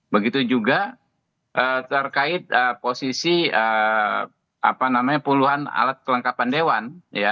begitu juga terkait posisi puluhan alat kelengkapan dewan